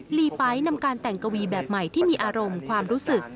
ลีไปต์นำการแต่งกวีแบบใหม่ที่มีอารมณ์ความรู้สึก